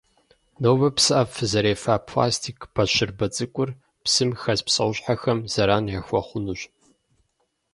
Нобэ псыӏэф фызэрефа пластик бащырбэ цӏыкур, псым хэс псуэщхьэхэм заран яхуэхъунущ.